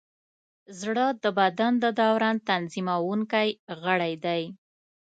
زړه د بدن د دوران تنظیمونکی غړی دی.